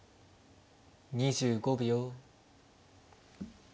２５秒。